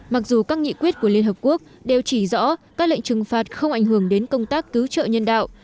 mặc dù các nghị quyết của liên hợp quốc đều chỉ rõ các lệnh trừng phạt không ảnh hưởng đến công tác cứu trợ nhân đạo